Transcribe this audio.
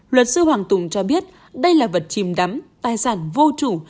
luật sư hoàng tùng cho biết đây là vật chìm đắm tài sản vô chủ